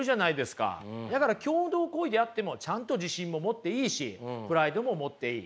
だから共同行為であってもちゃんと自信も持っていいしプライドも持っていい。